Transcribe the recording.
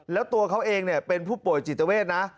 แล้วตัวเขาเองเป็นผู้ป่วยจิตเวทนะ